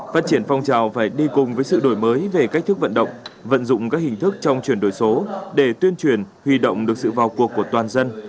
phát triển phong trào phải đi cùng với sự đổi mới về cách thức vận động vận dụng các hình thức trong chuyển đổi số để tuyên truyền huy động được sự vào cuộc của toàn dân